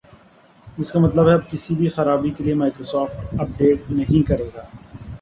جس کا مطلب ہے اب کسی بھی خرابی کے لئے مائیکروسافٹ اپ ڈیٹ نہیں کرے گا